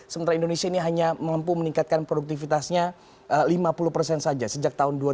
sementara indonesia ini hanya mampu meningkatkan produktivitasnya lima puluh persen saja sejak tahun dua ribu